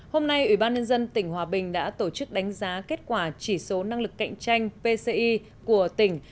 hôm nay ủy ban nhân dân tỉnh hòa bình đã tổ chức đánh giá kết quả chỉ số năng lực cạnh tranh pci của tỉnh